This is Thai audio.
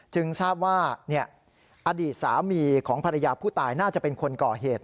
ทราบว่าอดีตสามีของภรรยาผู้ตายน่าจะเป็นคนก่อเหตุ